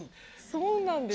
そうなんですか？